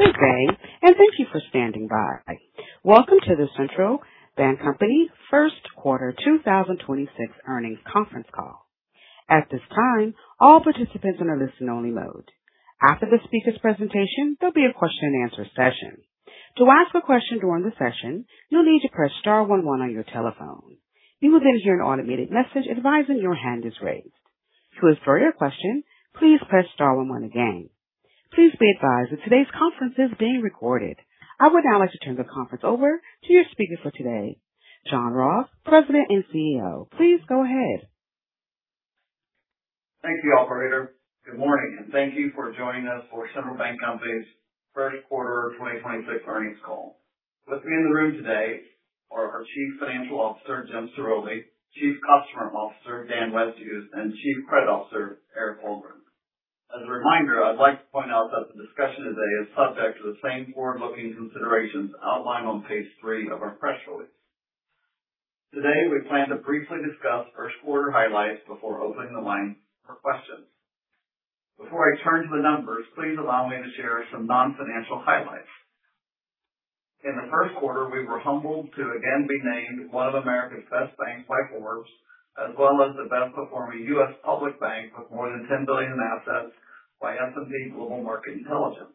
Good day, and thank you for standing by. Welcome to the Central Bancompany First Quarter 2026 Earnings Conference Call. At this time, all participants are in a listen only mode. After the speakers' presentation, there will be a question and answer session. To ask a question during the session, you will need to press star one one on your telephone. You will then hear an automated message advising your hand is raised. To withdraw your question, please press star one one again. Please be advised that today's conference is being recorded. I would now like to turn the conference over to your speaker for today, John Ross, President and CEO. Please go ahead. Thank you, Operator. Good morning, and thank you for joining us for Central Bancompany's first quarter 2026 earnings call. With me in the room today are our Chief Financial Officer, James Ciroli, Chief Customer Officer, Dan Westhues, and Chief Credit Officer, Eric Hallgren. As a reminder, I'd like to point out that the discussion today is subject to the same forward-looking considerations outlined on page three of our press release. Today, we plan to briefly discuss first quarter highlights before opening the line for questions. Before I turn to the numbers, please allow me to share some non-financial highlights. In the first quarter, we were humbled to again be named one of America's Best Banks by Forbes, as well as the best performing U.S. public bank with more than $10 billion in assets by S&P Global Market Intelligence.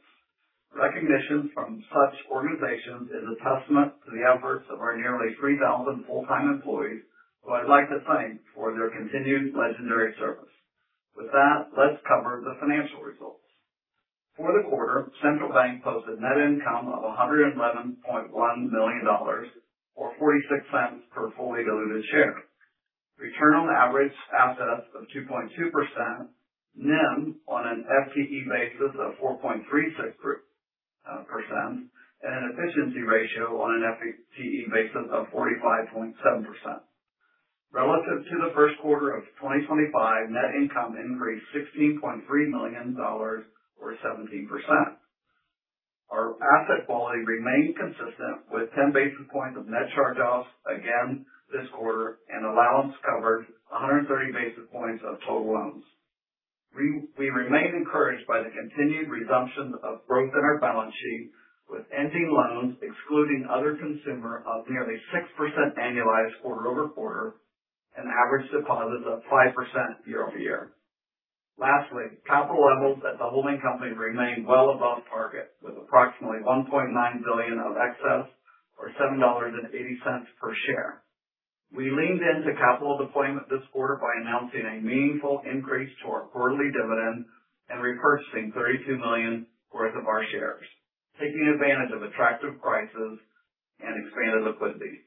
Recognition from such organizations is a testament to the efforts of our nearly 3,000 full-time employees, who I'd like to thank for their continued legendary service. With that, let's cover the financial results. For the quarter, Central Bank posted net income of $111.1 million, or $0.46 per fully diluted share. Return on average assets of 2.2%, NIM on an FTE basis of 4.36%, and an efficiency ratio on an FTE basis of 45.7%. Relative to the first quarter of 2025, net income increased $16.3 million, or 17%. Our asset quality remained consistent with 10 basis points of net charge-offs again this quarter, and allowance covered 130 basis points of total loans. We remain encouraged by the continued resumption of growth in our balance sheet, with ending loans excluding other consumer of nearly 6% annualized quarter-over-quarter and average deposits of 5% year-over-year. Lastly, capital levels at the holding company remain well above target, with approximately $1.9 billion of excess or $7.80 per share. We leaned into capital deployment this quarter by announcing a meaningful increase to our quarterly dividend and repurchasing $32 million worth of our shares, taking advantage of attractive prices and expanded liquidity.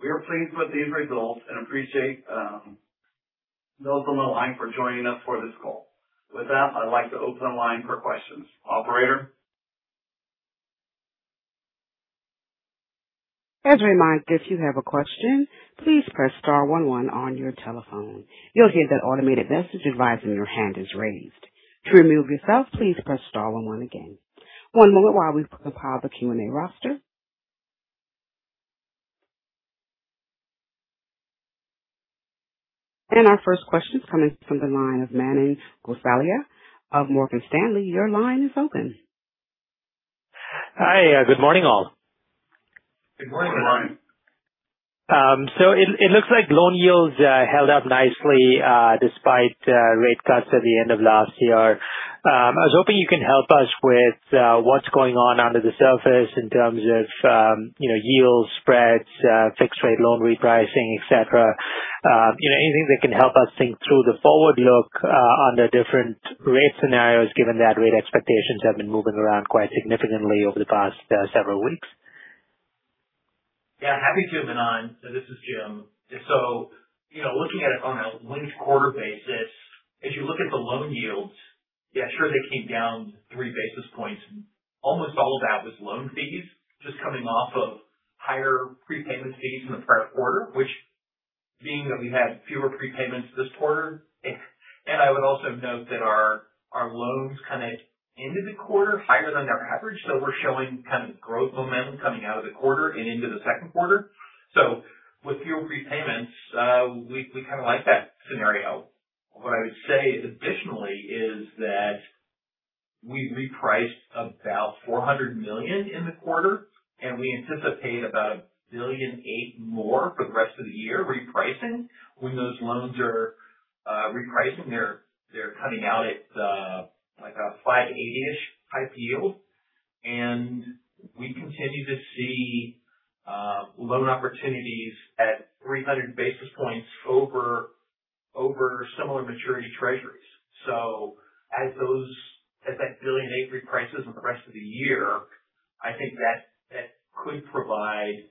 We are pleased with these results and appreciate those on the line for joining us for this call. With that, I'd like to open the line for questions. Operator? As a reminder, if you have a question, please press star one one on your telephone. You'll hear that automated message advising your hand is raised. To remove yourself, please press star one one again. One moment while we compile the Q&A roster. Our first question is coming from the line of Manan Gosalia of Morgan Stanley. Your line is open. Hi. Good morning, all. Good morning. It looks like loan yields held up nicely despite rate cuts at the end of last year. I was hoping you can help us with what's going on under the surface in terms of, you know, yields, spreads, fixed rate loan repricing, et cetera. You know, anything that can help us think through the forward look under different rate scenarios, given that rate expectations have been moving around quite significantly over the past several weeks. Yeah. Happy to, Manan. This is Jim. You know, looking at it on a linked quarter basis, if you look at the loan yields, yeah, sure, they came down 3 basis points. Almost all of that was loan fees just coming off of higher prepayment fees in the prior quarter, which being that we had fewer prepayments this quarter. I would also note that our loans kind of ended the quarter higher than their average. We're showing kind of growth momentum coming out of the quarter and into the second quarter. With fewer prepayments, we kind of like that scenario. What I would say additionally is that we repriced about $400 million in the quarter, we anticipate about $1.8 billion more for the rest of the year repricing. When those loans are repricing, they're coming out at like a 580-ish type yield. And we continue to see loan opportunities at 300 basis points over similar maturity treasuries. So as that $1.8 billion reprices in the rest of the year, I think that that could provide,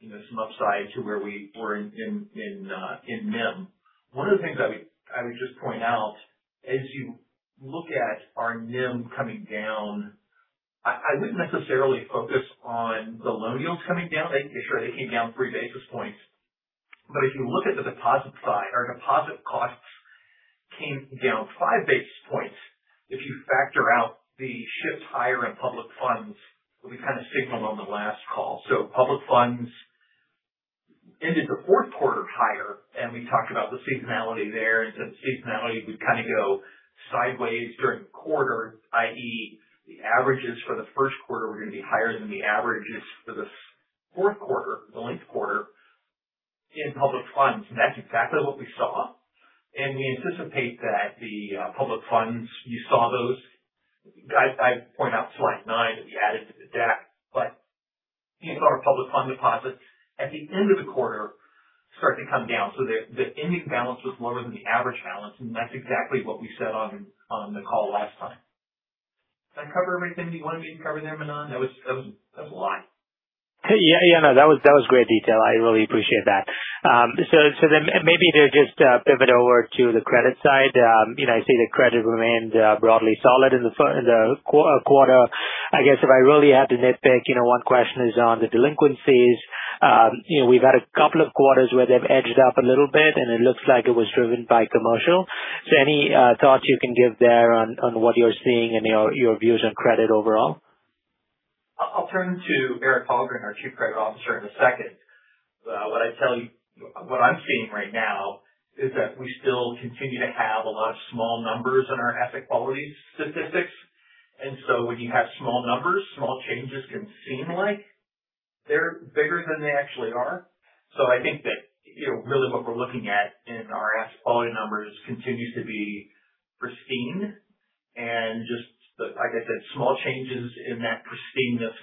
you know, some upside to where we were in NIM. One of the things I would just point out, as you look at our NIM coming down, I wouldn't necessarily focus on the loan yields coming down. Sure, they came down 3 basis points. But if you look at the deposit side, our deposit costs came down 5 basis points. If you factor out the shifts higher in public funds that we kind of signaled on the last call. Public funds ended the fourth quarter higher, and we talked about the seasonality there. Seasonality would kind of go sideways during the quarter, i.e. the averages for the first quarter were going to be higher than the averages for the fourth quarter, the length quarter in public funds. That's exactly what we saw. We anticipate that the public funds, you saw those. Guys, I'd point out slide nine that we added to the deck. You saw our public fund deposits at the end of the quarter start to come down. The ending balance was lower than the average balance, and that's exactly what we said on the call last time. Did I cover everything that you wanted me to cover there, Manan? That was a lot. Yeah, yeah. No, that was great detail. I really appreciate that. Then maybe to just pivot over to the credit side. You know, I see the credit remained broadly solid in the quarter. I guess if I really had to nitpick, you know, one question is on the delinquencies. You know, we've had a couple of quarters where they've edged up a little bit, and it looks like it was driven by commercial. Any thoughts you can give there on what you're seeing and your views on credit overall? I'll turn to Eric Hallgren, our Chief Credit Officer, in a second. What I'd tell you, what I'm seeing right now is that we still continue to have a lot of small numbers in our asset quality statistics. When you have small numbers, small changes can seem like they're bigger than they actually are. I think that, you know, really what we're looking at in our asset quality numbers continues to be pristine. Just like I said, small changes in that pristineness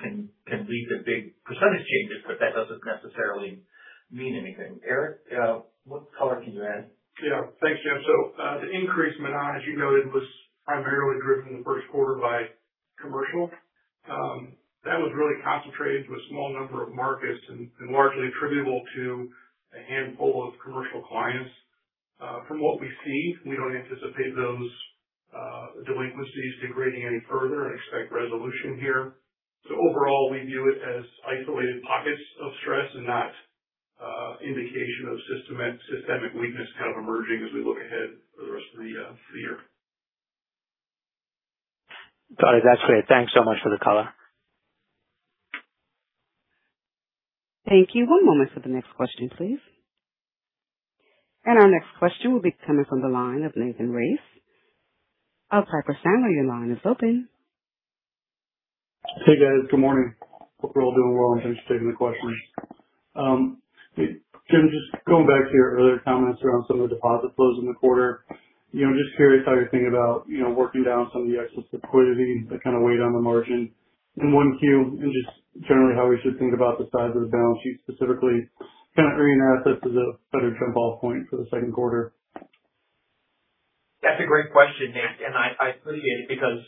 can lead to big percentage changes, but that doesn't necessarily mean anything. Eric, what color can you add? Yeah. Thanks, Jim. The increase, Manan, as you noted, was primarily driven in the first quarter by commercial. That was really concentrated to a small number of markets and largely attributable to a handful of commercial clients. From what we see, we don't anticipate those delinquencies degrading any further and expect resolution here. Overall, we view it as isolated pockets of stress and not indication of systemic weakness kind of emerging as we look ahead for the rest of the year. Got it. That's great. Thanks so much for the color. Thank you. One moment for the next question, please. Our next question will be coming from the line of Nathan Race, Piper Sandler, your line is open. Hey, guys. Good morning. Hope you're all doing well and thanks for taking the questions. Jim, just going back to your earlier comments around some of the deposit flows in the quarter. You know, I'm just curious how you think about, you know, working down some of the excess liquidity that kind of weighed on the margin. In 1Q, and just generally how we should think about the size of the balance sheet, specifically, kind of, bringing assets as a better jump-off point for the second quarter. That's a great question, Nate. I appreciate it because,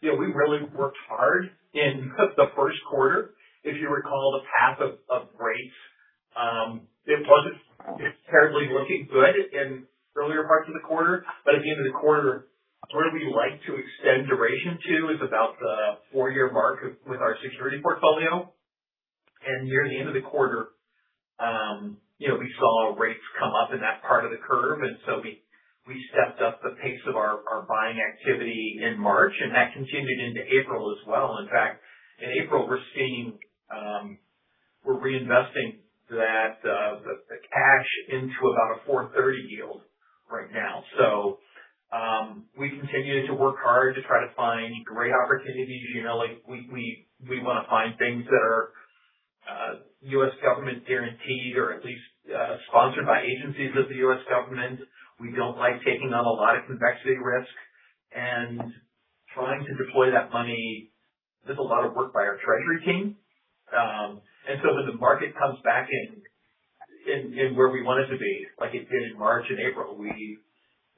you know, we really worked hard in the first quarter. If you recall the path of rates, it wasn't terribly looking good in earlier parts of the quarter. At the end of the quarter, where we like to extend duration to is about the four-year mark with our security portfolio. Near the end of the quarter, you know, we saw rates come up in that part of the curve, so we stepped up the pace of our buying activity in March. That continued into April as well. In fact, in April, we're seeing we're reinvesting that the cash into about a 4.30% yield right now. We've continued to work hard to try to find great opportunities. You know, like we want to find things that are U.S. government guaranteed or at least sponsored by agencies of the U.S. government. We don't like taking on a lot of convexity risk. Trying to deploy that money is a lot of work by our treasury team. When the market comes back in where we want it to be, like it did in March and April, we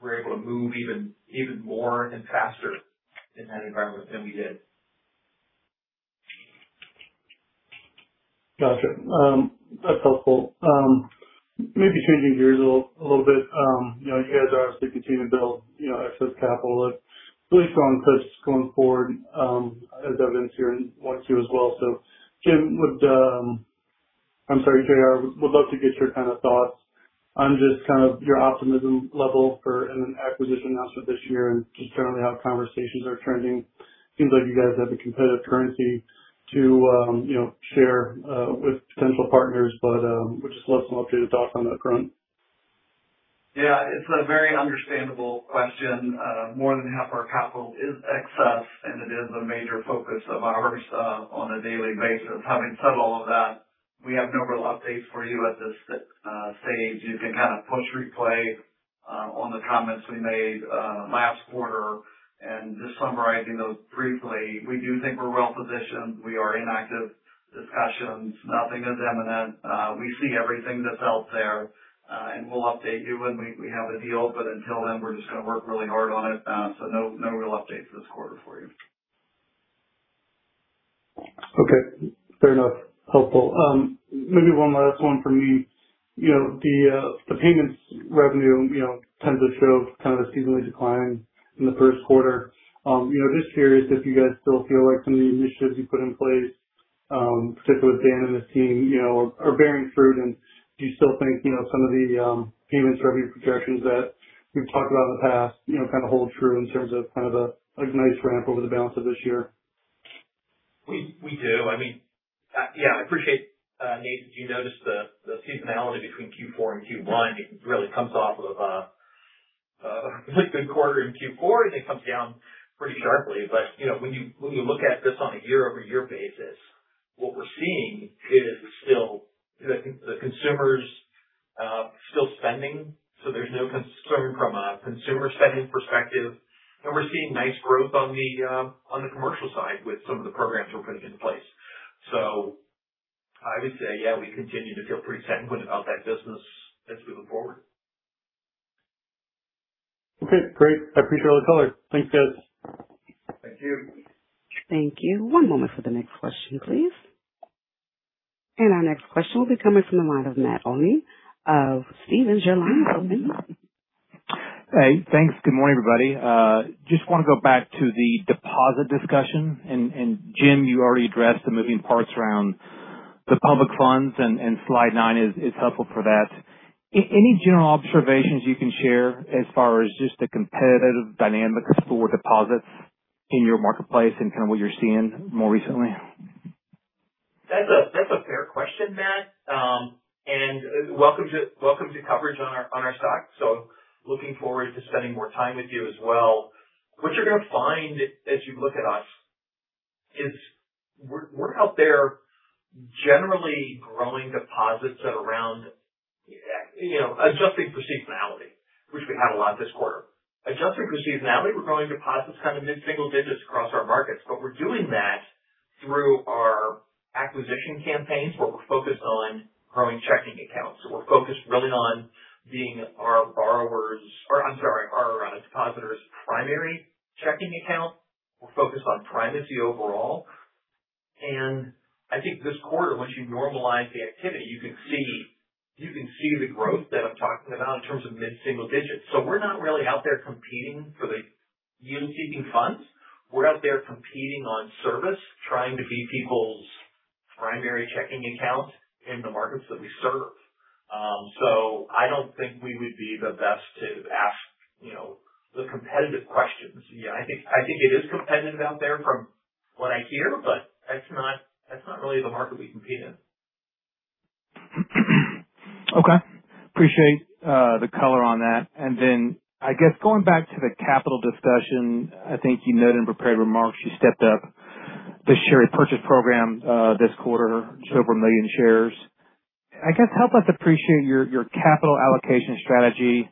were able to move even more and faster in that environment than we did. Got it. That's helpful. Maybe changing gears a little bit. You know, you guys are obviously continuing to build, you know, excess capital at least on touch going forward, as evidenced here in 1Q as well. Jim, I'm sorry, J.R., would love to get your kind of thoughts on just kind of your optimism level for an acquisition announcement this year and just generally how conversations are trending. Seems like you guys have the competitive currency to, you know, share with potential partners, but would just love some updated thoughts on that front. Yeah. It's a very understandable question. More than half our capital is excess, and it is a major focus of ours on a daily basis. Having said all of that, we have no real updates for you at this stage. You can kind of push replay on the comments we made last quarter. Just summarizing those briefly, we do think we're well positioned. We are in active discussions. Nothing is imminent. We see everything that's out there, and we'll update you when we have a deal, but until then, we're just going to work really hard on it. No real updates this quarter for you. Okay. Fair enough. Helpful. Maybe one last one from me. You know, the payments revenue, you know, tends to show kind of a seasonally decline in the first quarter. You know, just curious if you guys still feel like some of the initiatives you put in place, particularly with Dan and his team, you know, are bearing fruit. Do you still think, you know, some of the payments revenue projections that we've talked about in the past, you know, kind of hold true in terms of kind of a nice ramp over the balance of this year? We do. I mean, yeah, I appreciate, Nate, you noticed the seasonality between Q4 and Q1. It really comes off of a really good quarter in Q4, and it comes down pretty sharply. You know, when you, when you look at this on a year-over-year basis, what we're seeing is still the consumer's still spending. There's no concern from a consumer spending perspective. We're seeing nice growth on the on the commercial side with some of the programs we're putting into place. I would say, yeah, we continue to feel pretty sanguine about that business as we move forward. Okay, great. I appreciate all the color. Thanks, guys. Thank you. Thank you. One moment for the next question, please. Our next question will be coming from the line of Matt Olney of Stephens. Your line is open. Hey, thanks. Good morning, everybody. Just want to go back to the deposit discussion. Jim, you already addressed the moving parts around the public funds and slide nine is helpful for that. Any general observations you can share as far as just the competitive dynamics for deposits in your marketplace and kind of what you're seeing more recently? That's a fair question, Matt. Welcome to coverage on our stock. Looking forward to spending more time with you as well. What you're going to find as you look at us is we're out there generally growing deposits at around, you know, adjusting for seasonality, which we had a lot this quarter. Adjusting for seasonality, we're growing deposits kind of mid-single digits across our markets. We're doing that through our acquisition campaigns where we're focused on growing checking accounts. We're focused really on being our depositors primary checking account. We're focused on primacy overall. I think this quarter, once you normalize the activity, you can see the growth that I'm talking about in terms of mid-single digits. We're not really out there competing for the yield-seeking funds. We're out there competing on service, trying to be people's primary checking account in the markets that we serve. I don't think we would be the best to ask, you know, the competitive questions. Yeah, I think it is competitive out there from what I hear, that's not really the market we compete in. Okay. Appreciate the color on that. I guess going back to the capital discussion, I think you noted in prepared remarks you stepped up the share repurchase program this quarter, just over 1 million shares. I guess help us appreciate your capital allocation strategy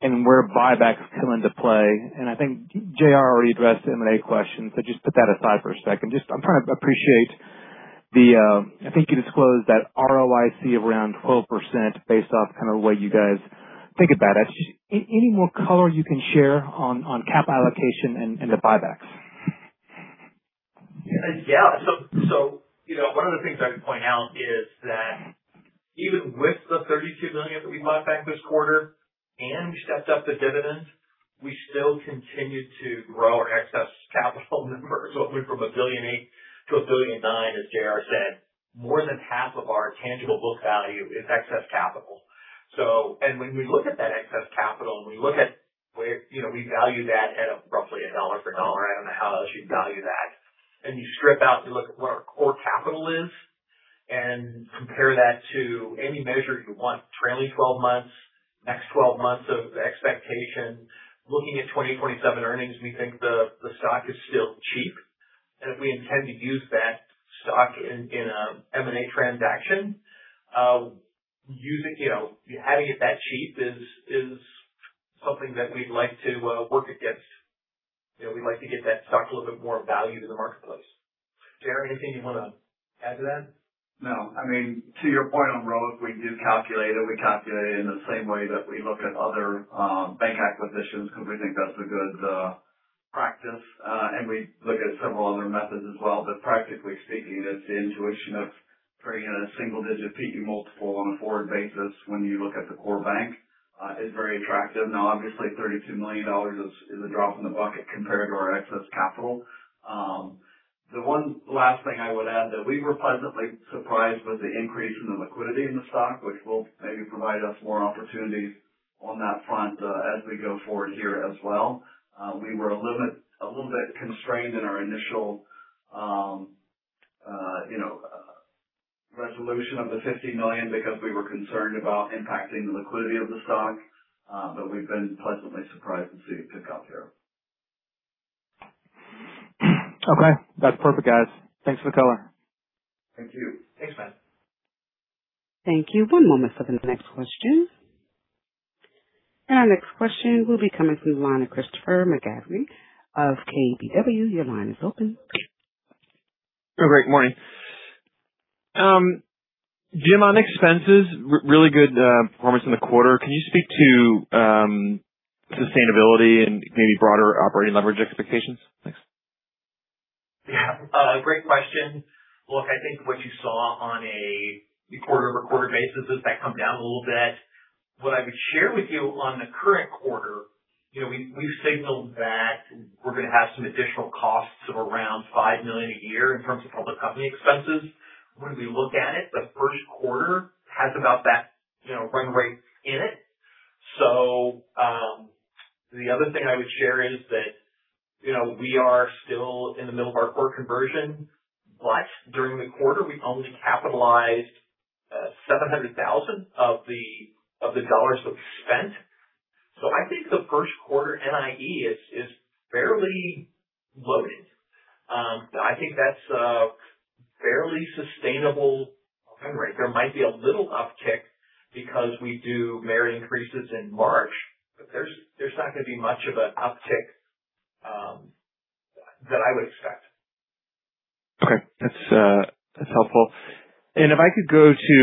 and where buybacks come into play. I think J.R. already addressed M&A questions, so just put that aside for a second. Just I'm trying to appreciate the ROIC of around 12% based off kind of what you guys think about it. Any more color you can share on cap allocation and the buybacks? Yeah. You know, one of the things I would point out is that even with the $32 million that we bought back this quarter and we stepped up the dividend, we still continue to grow our excess capital number. It went from $1.8 billion to $1.9 billion, as J.R. said. More than half of our tangible book value is excess capital. When we look at that excess capital and we look at where, you know, we value that at roughly $1 for $1, I don't know how else you'd value that. You strip out, you look at what our core capital is and compare that to any measure you want, trailing 12 months, next 12 months of expectation. Looking at 2027 earnings, we think the stock is still cheap. If we intend to use that stock in M&A transaction, using, you know, having it that cheap is something that we'd like to work against. You know, we'd like to get that stock a little bit more value to the marketplace. J.R., anything you want to add to that? No. I mean, to your point on ROIC, we do calculate it. We calculate it in the same way that we look at other bank acquisitions because we think that's a good practice. We look at several other methods as well. Practically speaking, it's the intuition of trading at a single-digit PE multiple on a forward basis when you look at the core bank is very attractive. Obviously, $32 million is a drop in the bucket compared to our excess capital. The one last thing I would add that we were pleasantly surprised with the increase in the liquidity in the stock, which will maybe provide us more opportunities on that front as we go forward here as well. We were a little bit constrained in our initial, you know, resolution of the $50 million because we were concerned about impacting the liquidity of the stock. We've been pleasantly surprised to see it pick up here. Okay. That's perfect, guys. Thanks for the color. Thank you. Thanks, Matt. Thank you. One moment for the next question. Our next question will be coming from the line of Christopher McGratty of KBW. Your line is open. Oh, great morning. Jim, on expenses, really good performance in the quarter. Can you speak to sustainability and maybe broader operating leverage expectations? Thanks. Yeah. Great question. Look, I think what you saw on a quarter-over-quarter basis is that come down a little bit. What I would share with you on the current quarter, you know, we've signaled that we're going to have some additional costs of around $5 million a year in terms of public company expenses. When we look at it, the first quarter has about that, you know, run rate in it. The other thing I would share is that, you know, we are still in the middle of our core conversion, but during the quarter we only capitalized $700,000 of the dollars that we spent. I think the first quarter NII is fairly loaded. I think that's a fairly sustainable run rate. There might be a little uptick because we do merit increases in March, but there's not gonna be much of an uptick, that I would expect. Okay. That's that's helpful. If I could go to,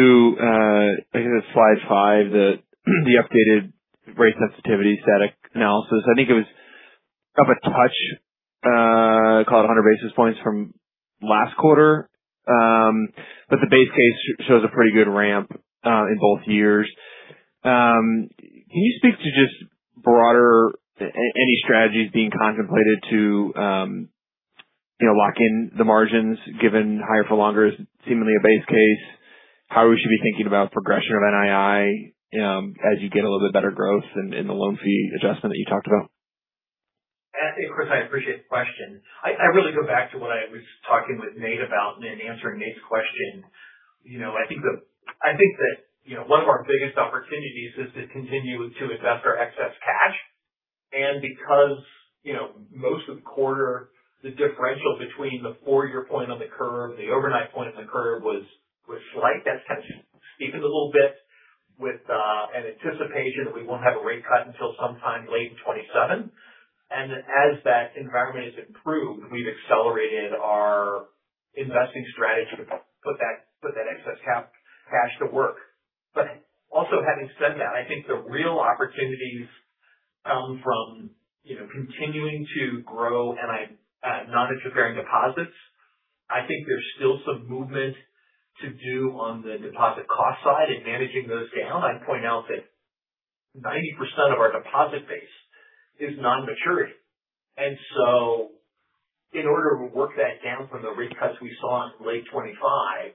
I think it's slide five that the updated rate sensitivity static analysis. I think it was up a touch, call it 100 basis points from last quarter. The base case shows a pretty good ramp in both years. Can you speak to just any strategies being contemplated to, you know, lock in the margins given higher for longer is seemingly a base case? How we should be thinking about progression of NII as you get a little bit better growth in the loan fee adjustment that you talked about? I think, Chris, I appreciate the question. I really go back to what I was talking with Nate about and answering Nate's question. You know, I think that, you know, one of our biggest opportunities is to continue to invest our excess cash. Because, you know, most of the quarter, the differential between the four-year point on the curve, the overnight point on the curve was slight. That's kind of steepened a little bit with an anticipation that we won't have a rate cut until sometime late in 2027. As that environment has improved, we've accelerated our investing strategy to put that excess cash to work. Also having said that, I think the real opportunities, from, you know, continuing to grow non-interest bearing deposits, I think there's still some movement to do on the deposit cost side and managing those down. I'd point out that 90% of our deposit base is non-maturity. In order to work that down from the rate cuts we saw in late 2025,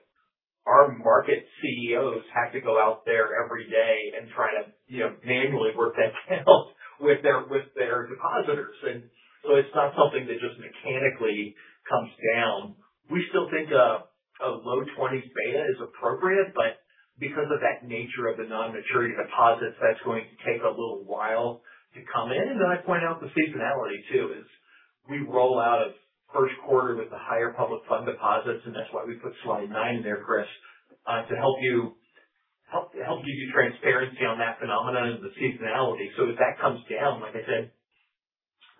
our market CEOs have to go out there every day and try to, you know, manually work that down with their depositors. It's not something that just mechanically comes down. We still think a low 20s beta is appropriate, because of that nature of the non-maturity deposits, that's going to take a little while to come in. Then I point out the seasonality too, is we roll out of first quarter with the higher public fund deposits, that's why we put slide nine there, Chris, to help give you transparency on that phenomenon and the seasonality. As that comes down, like I said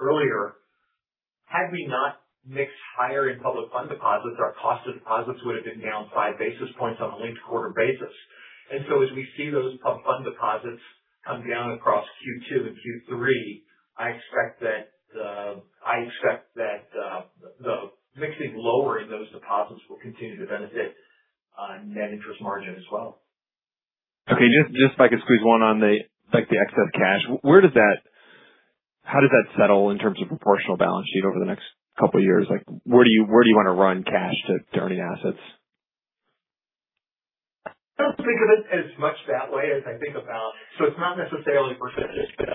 earlier, had we not mixed higher in public fund deposits, our cost of deposits would have been down 5 basis points on a linked quarter basis. As we see those pub fund deposits come down across Q2 and Q3, I expect that the mixing lower in those deposits will continue to benefit net interest margin as well. Okay. Just if I could squeeze one on the like the excess cash. Where does that how does that settle in terms of proportional balance sheet over the next couple of years? Like, where do you want to run cash to earning assets? I don't think of it as much that way as I think about. It's not necessarily percentage.